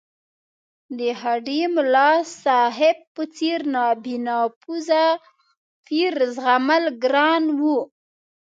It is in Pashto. د هډې ملاصاحب په څېر بانفوذه پیر زغمل ګران وو.